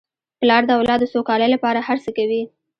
پلار د اولاد د سوکالۍ لپاره هر څه کوي.